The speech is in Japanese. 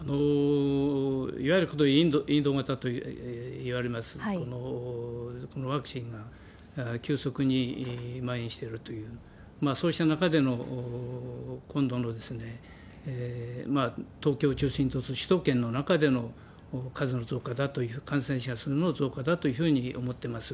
いわゆる、このインド型といわれます、このワクチンが急速にまん延してるという、そうした中での今度の東京を中心とする首都圏の中での数の増加だと、感染者数の増加だというふうに思ってます。